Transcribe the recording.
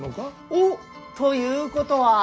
おっということは。